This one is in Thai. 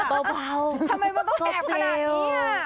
เบาก็เกลียวทำไมมันต้องแอบขนาดนี้